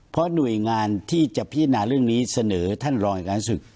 เพราะหน่วยงานที่จะพิจารณาเรื่องนี้เสนอท่านรองการศึก